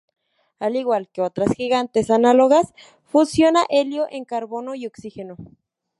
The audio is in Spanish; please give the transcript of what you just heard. Al igual que otras gigantes análogas, fusiona helio en carbono y oxígeno.